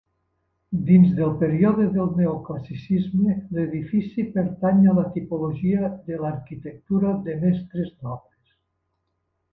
Dins del període del neoclassicisme l'edifici pertany a la tipologia de l'arquitectura de mestres d'obres.